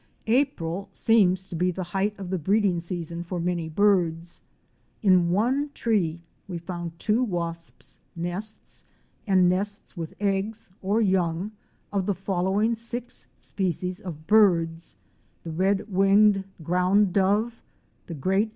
April seems to be the height of the breeding season for many birds. In one tree we found two wasps' nests, and nests with eggs or young of the following six species of birds; the Red winged Ground Dove,® the Great?!